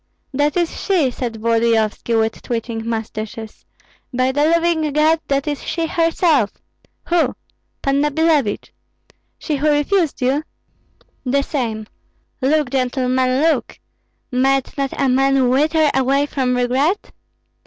"That is she!" said Volodyovski, with twitching mustaches. "By the living God, that is she herself!" "Who?" "Panna Billevich." "She who refused you?" "The same. Look, gentlemen, look! Might not a man wither away from regret?"